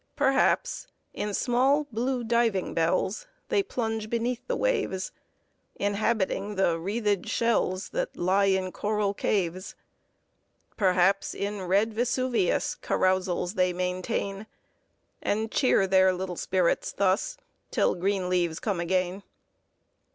Perhaps, in small, blue diving bells They plunge beneath the waves, Inhabiting the wreathed shells That lie in coral caves. Perhaps, in red Vesuvius Carousals they maintain ; And cheer their little spirits thus, Till green leaves come again.